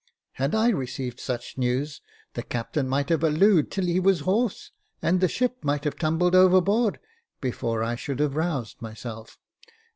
Had I received such news, the captain might have hallooed till he was hoarse, and the ship might have tumbled overboard, before I should have roused myself.